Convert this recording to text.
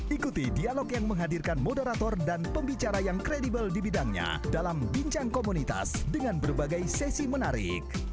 ikuti dialog yang menghadirkan moderator dan pembicara yang kredibel di bidangnya dalam bincang komunitas dengan berbagai sesi menarik